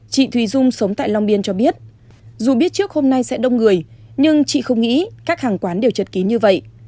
chị thùy dung sống tại long biên cho biết dù biết trước hôm nay sẽ đông người nhưng chị không nghĩ các hàng quán đều chật kín như vậy